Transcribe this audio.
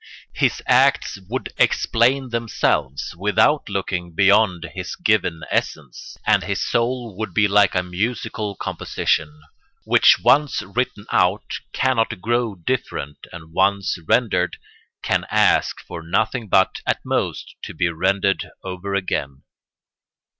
His acts would explain themselves without looking beyond his given essence, and his soul would be like a musical composition, which once written out cannot grow different and once rendered can ask for nothing but, at most, to be rendered over again.